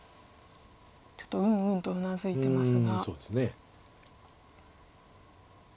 ちょっとうんうんとうなずいてますが。